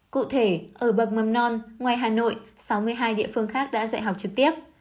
cụ thể ở bậc mầm non ngoài hà nội sáu mươi hai địa phương khác đã dạy học trực tiếp